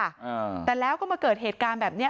อ่าแต่แล้วก็มาเกิดเหตุการณ์แบบเนี้ย